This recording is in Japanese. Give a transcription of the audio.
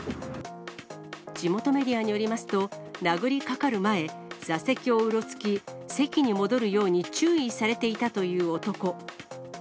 地元メディアによりますと、殴りかかる前、座席をうろつき、席に戻るように注意されていたという男。